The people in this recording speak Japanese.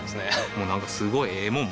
もうなんかすごいええもん